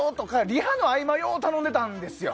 リハの合間よう頼んでたんですよ。